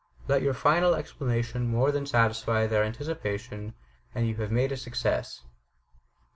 Let your final explanation more than satisfy their anticipation, and you have made a success.